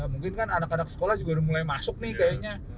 mungkin kan anak anak sekolah juga udah mulai masuk nih kayaknya